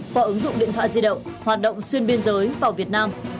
qua ứng dụng điện thoại di động hoạt động xuyên biên giới vào việt nam